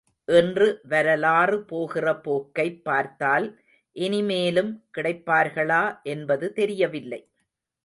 இன்று வரலாறு போகிற போக்கை பார்த்தால் இனி மேலும் கிடைப்பார்களா என்பது தெரியவில்லை.